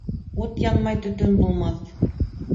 Ут янмай төтөн булмаҫ